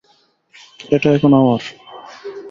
এটা এখন আমার।